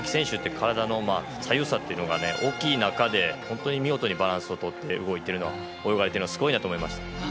体の左右差っていうのが大きい中で本当に見事にバランスをとって泳がれてるのがすごいなと思いました。